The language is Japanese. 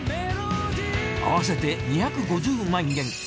合わせて２５０万円。